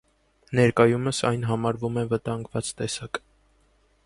Ներկայումս այն համարվում է վտանգված տեսակ։